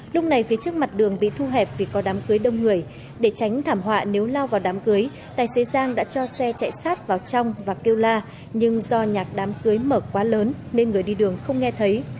lúc này phía trước mặt đường bị thu hẹp vì có đám cưới đông người để tránh thảm họa nếu lao vào đám cưới tài xế giang đã cho xe chạy sát vào trong và kêu la nhưng do nhạc đám cưới mở quá lớn nên người đi đường không nghe thấy